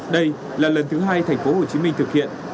đây là lần thứ hai thành phố hồ chí minh thực hiện